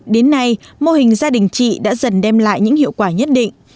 đến nay mô hình gia đình chị đã dần đem lại